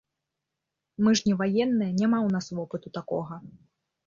Мы ж не ваенныя, няма ў нас вопыту такога!